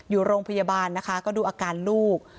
อยู่โรงพยาบาลนะคะก็ดูอาการลูก